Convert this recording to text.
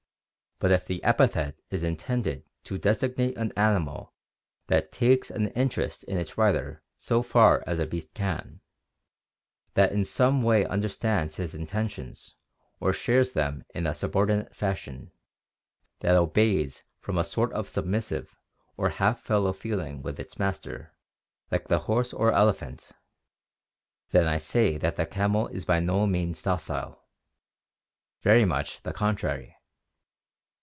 But if the epithet is intended to designate an animal that takes an interest in its rider so far as a beast can, that in some way understands his intentions, or shares them in a subordinate fashion, that obeys from a soTt of submissive or half fellow feeling with his master, like the horse or elephant, then I say that the camel is by no means docile — very much the contrary.